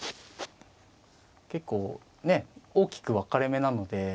結構ね大きく分かれ目なので。